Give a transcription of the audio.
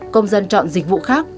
công dân chọn dịch vụ khác